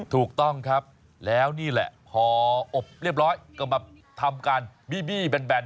ถูกต้องครับแล้วนี่แหละพออบเรียบร้อยก็มาทำการบีบี้แบน